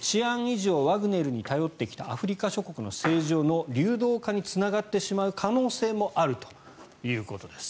治安維持をワグネルに頼ってきたアフリカ諸国の政情の流動化につながってしまう可能性もあるということです。